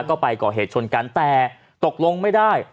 ก็ไปก่อเหตุชนกันแต่ตกลงไม่ได้